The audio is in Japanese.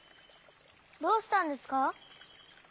どうしたんですか？